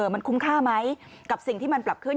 มันคุ้มค่าไหมกับสิ่งที่มันปรับขึ้น